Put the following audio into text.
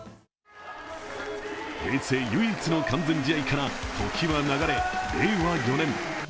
平成唯一の完全試合から時は流れ、令和４年。